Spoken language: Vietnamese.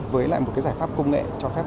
với lại một giải pháp công nghệ cho phép